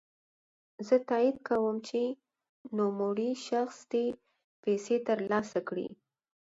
زه تاييد کوم چی نوموړی شخص دي پيسې ترلاسه کړي.